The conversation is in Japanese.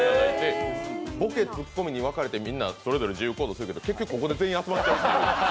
ボケ、ツッコミに分かれてそれぞれ自由行動するけど結局、ここで全員集まる。